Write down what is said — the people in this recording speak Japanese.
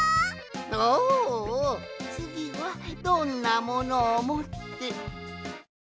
おおつぎはどんなものをもって。